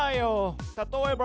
例えば。